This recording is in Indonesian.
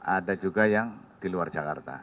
ada juga yang di luar jakarta